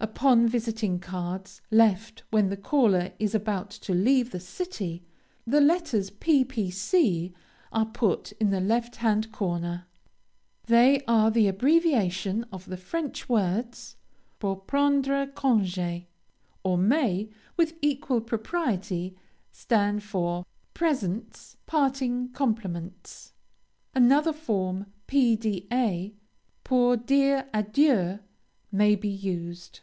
Upon visiting cards, left when the caller is about to leave the city, the letters p. p. c. are put in the left hand corner, they are the abbreviation of the French words, pour prendre congé, or may, with equal propriety, stand for presents parting compliments. Another form, p. d. a., pour dire adieu, may be used.